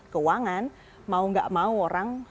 keuangan mau gak mau orang